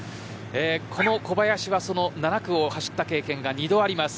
この小林は７区を走った経験が２度あります。